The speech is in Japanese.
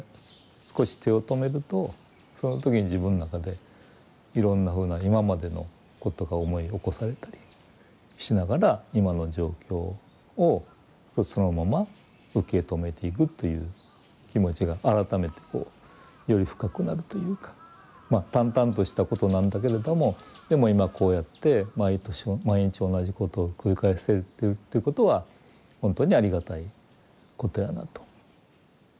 少し手を止めるとその時に自分の中でいろんなふうな今までのことが思い起こされたりしながら今の状況をそのまま受け止めていくという気持ちが改めてこうより深くなるというかまあ淡々としたことなんだけれどもでも今こうやって毎年毎日同じことを繰り返せてるということは本当にありがたいことやなと。